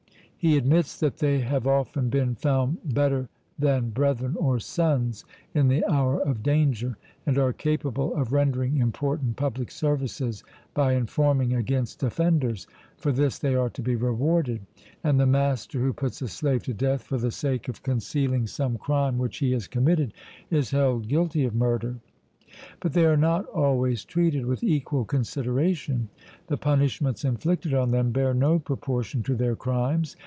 He admits that they have often been found better than brethren or sons in the hour of danger, and are capable of rendering important public services by informing against offenders for this they are to be rewarded; and the master who puts a slave to death for the sake of concealing some crime which he has committed, is held guilty of murder. But they are not always treated with equal consideration. The punishments inflicted on them bear no proportion to their crimes.